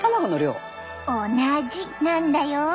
同じなんだよ！